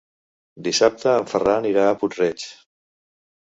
Dissabte en Ferran irà a Puig-reig.